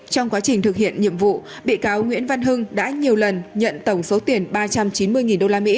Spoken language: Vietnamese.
trong quá trình thực hiện nhiệm vụ bị cáo nguyễn văn hưng đã nhiều lần nhận tổng số tiền ba trăm chín mươi usd